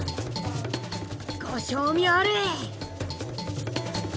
ご賞味あれぃ！